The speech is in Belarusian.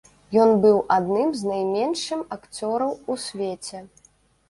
Ён быў адным з найменшым акцёраў у свеце.